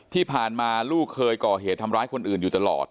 ที่ผ่านมาลูกเคยก่อเหตุทำร้ายคนอื่นอยู่ตลอด